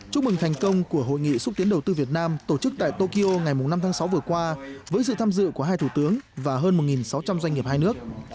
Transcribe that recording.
chúc mừng thành công của hội nghị xúc tiến đầu tư việt nam tổ chức tại tokyo ngày năm tháng sáu vừa qua với sự tham dự của hai thủ tướng và hơn một sáu trăm linh doanh nghiệp hai nước